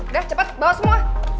udah cepet bawa semua